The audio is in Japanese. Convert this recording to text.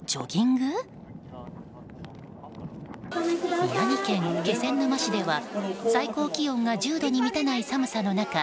宮城県気仙沼市では最高気温が１０度に満たない寒さの中